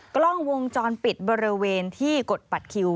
กล้องวงจรปิดบริเวณที่กดบัตรคิว